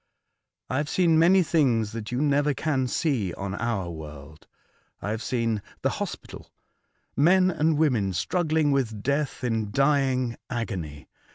" I have seen many things that you never can see on our world. I have seen the hospital — men and women struggling with death in dying agony.